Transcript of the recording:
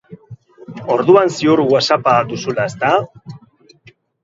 Orduan ziur Whatsapp-a duzula, ezta?